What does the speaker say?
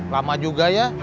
lama juga ya